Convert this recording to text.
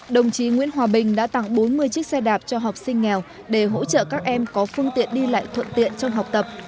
đồng chí nguyễn hòa bình đã tặng bốn mươi chiếc xe đạp cho học sinh nghèo để hỗ trợ các em có phương tiện đi lại thuận tiện trong học tập